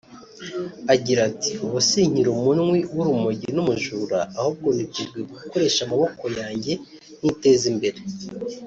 Agira ati "Ubu sinkiri umunywi w’urumogi n’umujura ahubwo niteguye gukoresha amaboko yanjye nkiteza imbere